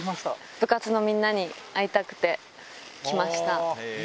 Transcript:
部活のみんなに会いたくて来ました。